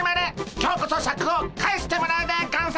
今日こそシャクを返してもらうでゴンス！